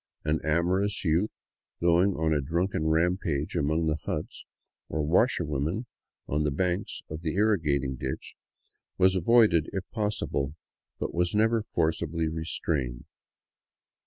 An amorous youth, going on a drunken rampage among the huts or the washerwomen on the banks of the irrigating ditch, was avoided if possible, but was never forcibly restrained.